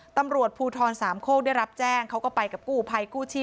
ตำรวจภูทรสามโคกได้รับแจ้งเขาก็ไปกับกู้ภัยกู้ชีพ